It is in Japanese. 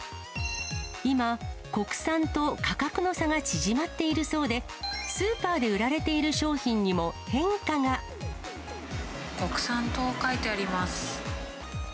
今、国産と価格の差が縮まっているそうで、スーパーで売られている商国産と書いてあります。